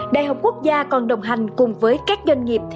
đại học quốc gia còn đồng hành cùng với các doanh nghiệp